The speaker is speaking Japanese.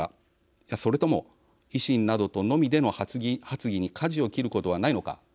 いや、それとも維新などとのみでの発議にかじを切ることはないのか。